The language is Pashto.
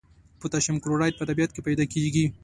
پوتاشیم کلورایډ په طبیعت کې پیداکیږي.